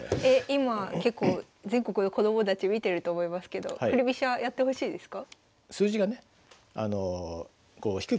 今結構全国の子どもたち見てると思いますけど振り飛車やってほしいですか？